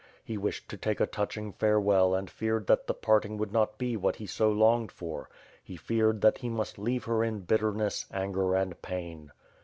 He wished to take a touching farewell and feared that the parting would not be what he so longed for; he feared that he must leave her in bitterness, anger and pain.